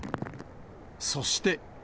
そして。